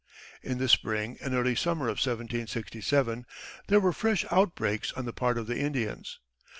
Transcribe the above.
In the spring and early summer of 1767 there were fresh outbreaks on the part of the Indians.